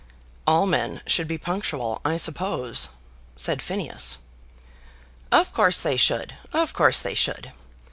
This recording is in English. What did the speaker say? "All men should be punctual, I suppose," said Phineas. "Of course they should; of course they should.